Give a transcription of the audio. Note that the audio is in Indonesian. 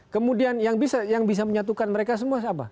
kemudian yang bisa menyatukan mereka semua siapa